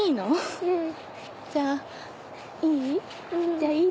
じゃあいい？